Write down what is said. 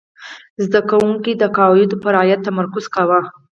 زده کوونکي د قواعدو په رعایت تمرکز کاوه.